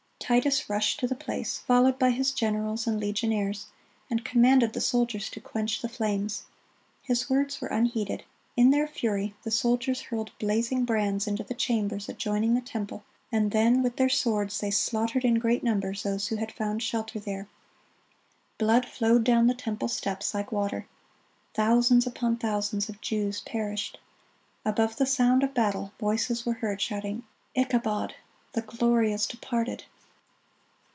Titus rushed to the place, followed by his generals and legionaries, and commanded the soldiers to quench the flames. His words were unheeded. In their fury the soldiers hurled blazing brands into the chambers adjoining the temple, and then with their swords they slaughtered in great numbers those who had found shelter there. Blood flowed down the temple steps like water. Thousands upon thousands of Jews perished. Above the sound of battle, voices were heard shouting, "Ichabod!"—the glory is departed.